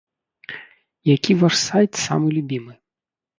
Які ваш сайт самы любімы?